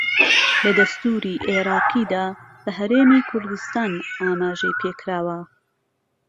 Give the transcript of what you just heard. لە دەستوری عێراقیدا بە ھەرێمی کوردستان ئاماژەی پێکراوە